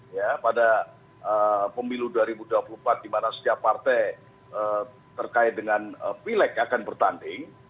ya pada pemilu dua ribu dua puluh empat di mana setiap partai terkait dengan pileg akan bertanding